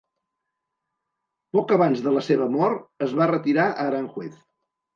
Poc abans de la seva mort es va retirar a Aranjuez.